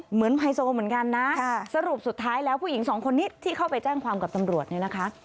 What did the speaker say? ไฮโซเหมือนกันนะสรุปสุดท้ายแล้วผู้หญิงสองคนนี้ที่เข้าไปแจ้งความกับตำรวจเนี่ยนะคะ